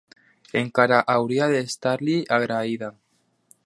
Encara hauria d'estar-li agraïda!